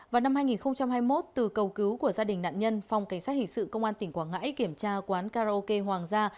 vào năm hai nghìn hai mươi một từ cầu cứu của gia đình nạn nhân phòng cảnh sát hình sự công an tỉnh quảng ngãi kiểm tra quán karaoke hoàng gia